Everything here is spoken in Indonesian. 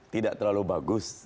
tidak terlalu bagus